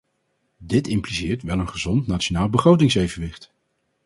Dit impliceert wel een gezond nationaal begrotingsevenwicht.